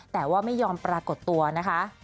แต่ว่าไม่ยอมปรากฏตัวนะคะ